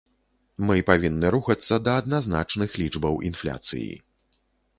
Мы павінны рухацца да адназначных лічбаў інфляцыі.